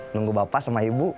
nunggu bapak sama ibu